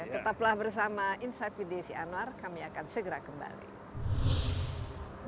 tetaplah bersama insight with desi anwar kami akan segera kembali